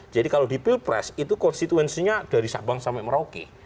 jadi kalau di pilpres itu konstituensinya dari sabang sampai merauke